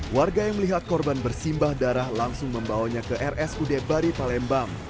warga yang melihat korban bersimbah darah langsung membawanya ke rsud bari palembang